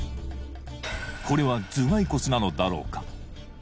これは頭蓋骨なのだろうか？